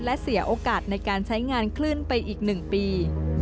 และเสียโอกาสในการใช้งานคลื่นไปอีก๑ปี